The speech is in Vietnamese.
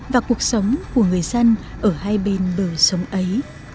và cuộc sống của người dân ở hà nội